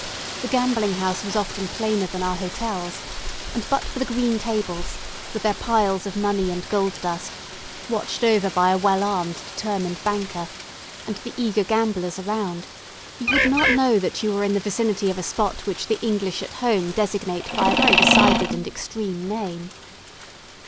The gambling house was often plainer than our hotels; and but for the green tables, with their piles of money and gold dust, watched over by a well armed determined banker, and the eager gamblers around, you would not know that you were in the vicinity of a spot which the English at home designate by a very decided and extreme name.